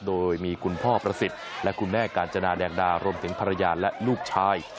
โดยมีคุณพ่อประสิทธิ์และคุณแม่กาญจนาแดงดารวมถึงภรรยาและลูกชาย